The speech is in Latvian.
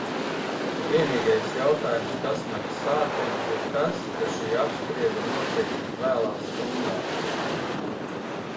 Vienīgais jautājums, kas mani sāpina, ir tas, ka šī apspriede notiek tik vēlā stundā.